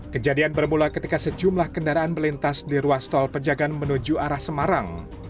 kejadian bermula ketika sejumlah kendaraan melintas di ruas tol pejagaan menuju arah semarang